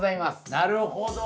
なるほど。